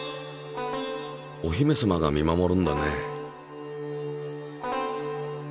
おひめ様が見守るんだね。